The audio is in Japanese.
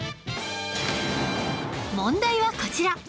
問題はこちら